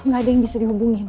nggak ada yang bisa dihubungin